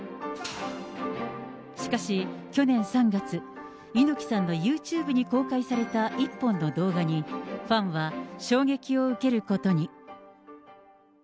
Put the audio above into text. しかし去年３月、猪木さんのユーチューブに公開された一本の動画に、ファンは衝撃を受けることに。